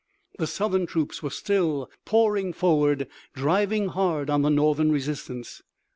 The Southern troops were still pouring forward driving hard on the Northern resistance.